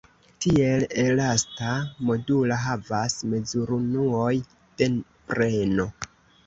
Tiel elasta modula havas mezurunuoj de premo.